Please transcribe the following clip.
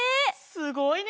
すごいね！